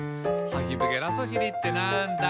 「ハヒブゲラソシリってなんだ？」